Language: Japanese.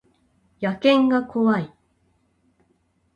野犬が怖い